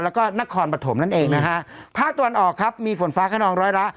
แล้วก็นครปฐมนั่นเองนะฮะภาคตะวันออกครับมีฝนฟ้าขนองร้อยละ